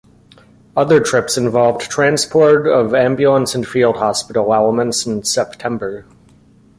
Other trips involved transport of ambulance and field hospital elements in September.